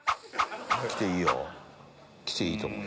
きていいよきていいと思う。